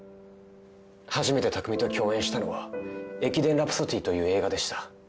初めて匠と共演したのは『駅伝ラプソディ』という映画でした。